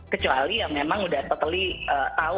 kecuali yang memang udah totally tahu